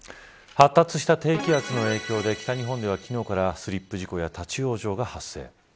発達した低気圧の影響で北日本では昨日からスリップ事故や立ち往生が発生。